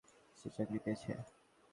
সে চাকরি পেয়েছে।